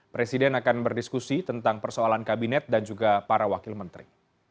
presiden akan berdiskusi tentang persoalan kabinet dan juga para wakil menteri